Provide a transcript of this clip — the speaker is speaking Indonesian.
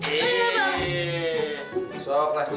eh makasih ya